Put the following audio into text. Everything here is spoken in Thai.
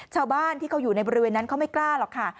ชาวบ้านที่เขาอยู่ในบริเวณนั้นเขาไม่กล้าหรอกค่ะ